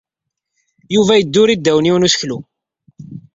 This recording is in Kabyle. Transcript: Yuba yedduri ddaw yiwen n useklu.